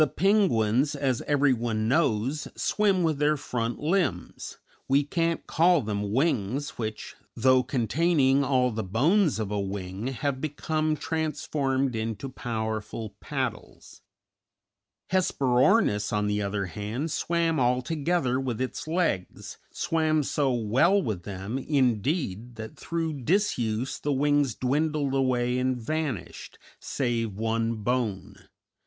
The penguins, as everyone knows, swim with their front limbs we can't call them wings which, though containing all the bones of a wing, have become transformed into powerful paddles; Hesperornis, on the other hand, swam altogether with its legs swam so well with them, indeed, that through disuse the wings dwindled away and vanished, save one bone.